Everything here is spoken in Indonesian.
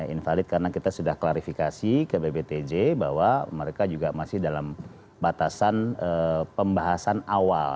invalid karena kita sudah klarifikasi ke bbtj bahwa mereka juga masih dalam batasan pembahasan awal